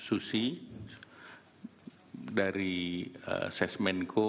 terima kasih dari sosial dari sosial menko